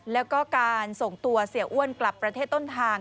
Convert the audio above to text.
แล้วก็การส่งตัวเสียอ้วนกลับประเทศต้นทาง